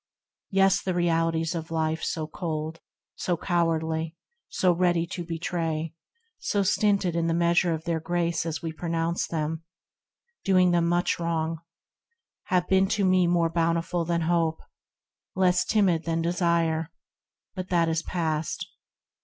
Yes the realities of life so cold, So cowardly, so ready to betray, So stinted in the measure of their grace As we pronounce them, doing them much wrong, Have been to me more bountiful than hope, Less timid than desire — but that is passed.